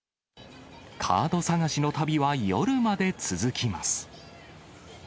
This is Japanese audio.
カード探しの旅は夜まで続きます。